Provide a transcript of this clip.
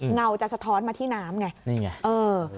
เงาจะสะท้อนมาที่น้ำไง